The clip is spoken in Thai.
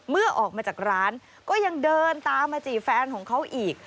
เมื่อออกมาจากร้านก็ยังเดินตามมาจีบแฟนของเขาอีก